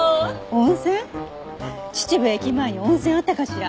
秩父駅前に温泉あったかしら？